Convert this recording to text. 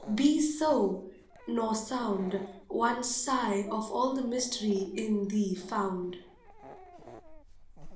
Be so, nor sound One sigh of all the mystery in thee found.